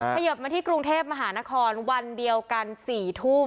เขยิบมาที่กรุงเทพมหานครวันเดียวกัน๔ทุ่ม